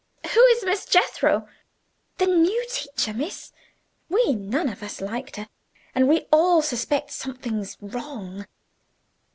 "Who is Miss Jethro?" "The new teacher, miss. We none of us liked her, and we all suspect there's something wrong.